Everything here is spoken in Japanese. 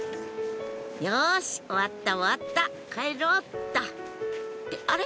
よし終わった終わった帰ろうっとってあれ？